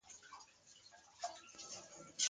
آژیر